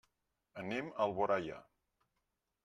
Anem a Alboraia.